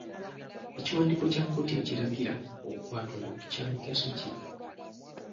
Ekiwandiiko kya kkooti ekiragira okukwata omuntu kya migaso ki?